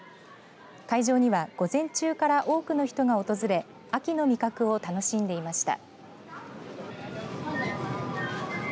会場には午前中から多くの人が訪れ秋の味覚を楽しんでいました。